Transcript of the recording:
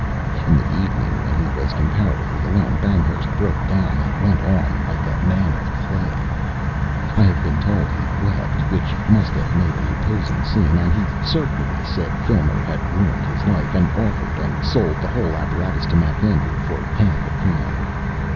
In the evening, when he was comparatively alone, Banghurst broke down and went on like a man of clay. I have been told he wept, which must have made an imposing scene, and he certainly said Filmer had ruined his life, and offered and sold the whole apparatus to MacAndrew for half a crown.